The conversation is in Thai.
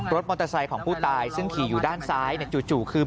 มอเตอร์ไซค์ของผู้ตายซึ่งขี่อยู่ด้านซ้ายจู่คือ